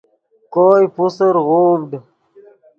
کوئے پوسر غوڤڈ